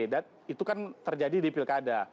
dan itu kan terjadi di pilkada